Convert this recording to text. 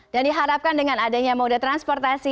dan diharapkan dengan adanya mode transportasi